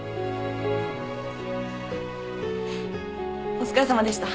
お疲れさまでした。